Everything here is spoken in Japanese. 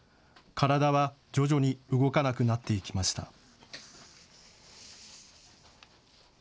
体は徐々に動かなくなっていきました。